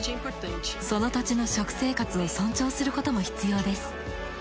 その土地の食生活を尊重することも必要です。